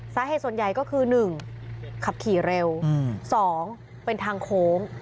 สาเหตุส่วนใหญ่ก็คือ๑ขับขี่เร็ว๒เป็นทางโค้ง